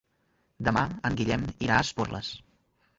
Demà en Guillem irà a Esporles.